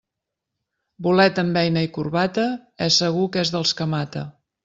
Bolet amb beina i corbata, és segur que és dels que mata.